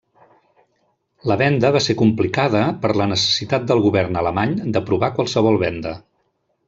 La venda va ser complicada per la necessitat del govern alemany d'aprovar qualsevol venda.